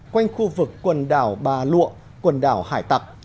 quanh khu vực quần đảo bà lụa quần đảo hải tạc